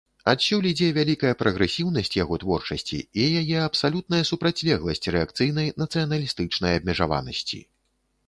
Адсюль ідзе вялікая прагрэсіўнасць яго творчасці і яе абсалютная супрацьлегласць рэакцыйнай нацыяналістычнай абмежаванасці.